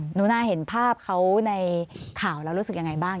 หนูนาเห็นภาพเขาในข่าวแล้วรู้สึกยังไงบ้าง